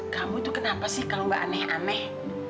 kamu itu kenapa sih kalau gak aneh aneh